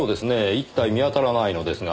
１体見当たらないのですが。